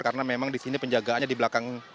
karena memang disini penjagaannya di belakang